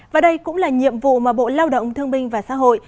và đây cũng là nhiệm vụ mà bộ lao động thương binh và xã hội